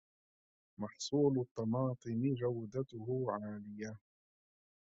محصول الطماطم جودته عالية.